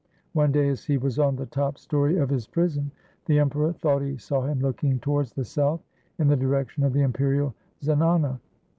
One day as he was on the top story of his prison, the Emperor thought he saw him looking towards the south in the direction of the imperial zanana.